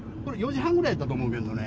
４時半ぐらいだったと思うけどね。